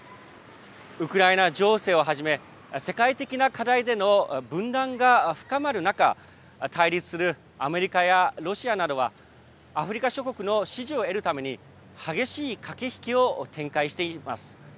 ウクライナ情勢をはじめ、世界的な課題での分断が深まる中、対立するアメリカやロシアなどは、アフリカ諸国の支持を得るために、激しい駆け引きを展開しています。